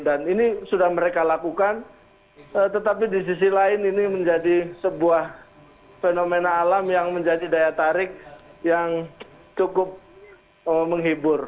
dan ini sudah mereka lakukan tetapi di sisi lain ini menjadi sebuah fenomena alam yang menjadi daya tarik yang cukup menghibur